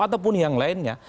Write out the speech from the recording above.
ataupun yang lainnya